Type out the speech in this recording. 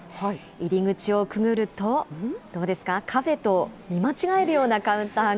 入り口をくぐると、どうですか、カフェと見間違えるようなカウンターが。